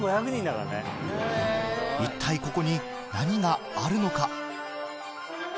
一体ここに何があるのか？